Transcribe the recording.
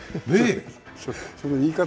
その言い方